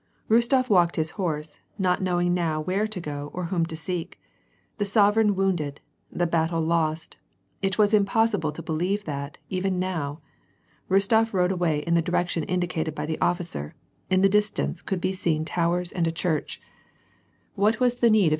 Kostof walked his horse, not knowing now where to go or whom to seek. The sovereign wounded! the battle lost! It was impossible to believe that, even now. Rostof rode away in the direction indicated by the officer ; in the distance could be seen towers and a church. What was the need of S60 WAR AND PEACE.